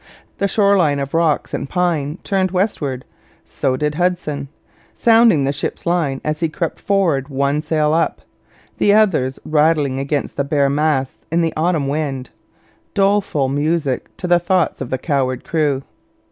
The shore line of rocks and pine turned westward. So did Hudson, sounding the ship's line as he crept forward one sail up, the others rattling against the bare masts in the autumn wind doleful music to the thoughts of the coward crew.